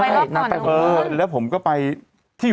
สวัสดีครับคุณผู้ชม